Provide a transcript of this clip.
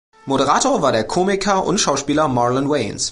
Moderator war der Komiker und Schauspieler Marlon Wayans.